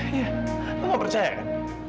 iya lo mau percaya kan